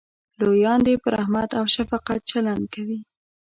لویان دې په رحمت او شفقت چلند کوي.